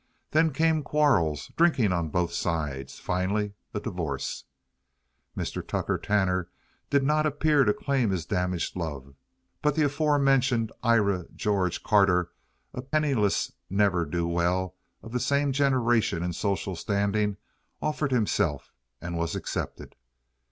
Then came quarrels, drinking on both sides, finally a divorce. Mr. Tucker Tanner did not appear to claim his damaged love, but the aforementioned Ira George Carter, a penniless never do well of the same generation and social standing, offered himself and was accepted.